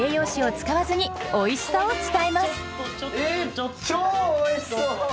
超おいしそう！